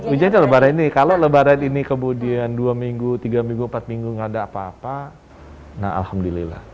ujiannya lebaran ini kalau lebaran ini kemudian dua minggu tiga minggu empat minggu gak ada apa apa nah alhamdulillah